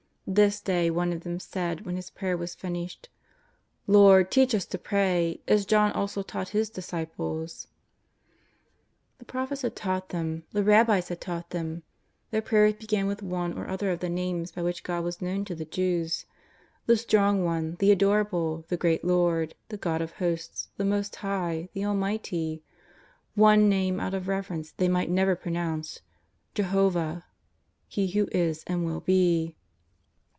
This day one of them said when His prayer was finished :^^ Lord, teach us to pray, as John also taught his disciples." The Prophets had taught them ; the raMs had taught them. Their prayers began with one or other of the Names by which God was known to the Jews: ''the Strong One," " the Adorable," '' the great Lord," " the God of Hosts," "the Most High," "the Almighty." One ISTame out of reverence they might never ^vo nounce ^ Jehovah, " He who is and will be."